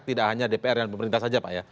tidak hanya dpr dan pemerintah saja pak ya